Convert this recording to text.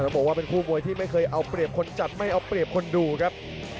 บอกว่าเป็นคู่มวยที่ไม่เคยเอาเปรียบคนจัดไม่เอาเปรียบคนดูครับ